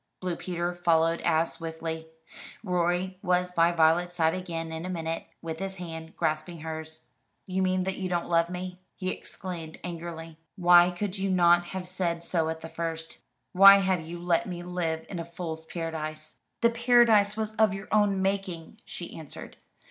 Blue Peter followed as swiftly. Rorie was by Violet's side again in a minute, with his hand grasping hers. "You mean that you don't love me?" he exclaimed angrily. "Why could you not have said so at the first; why have you let me live in a fool's paradise?" "The paradise was of your own making," she answered.